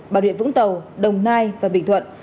bảo điện vũng tàu đồng nai và bình thuận